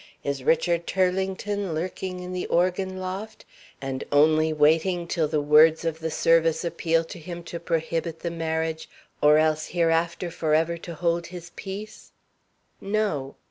Is Richard Turlington lurking in the organ loft, and only waiting till the words of the service appeal to him to prohibit the marriage, or "else hereafter forever to hold his peace?" No.